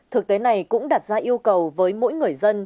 thực tế này cũng đặt ra yêu cầu với mỗi người dân